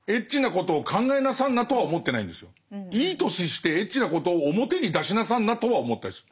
いい年してエッチなことを表に出しなさんなとは思ったりする。